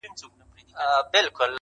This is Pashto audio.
قاسم یار سي لېونی پتنګ لمبه سي،